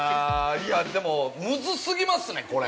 いや、でもムズ過ぎますね、これ。